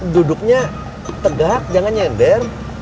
duduknya tegak jangan nyender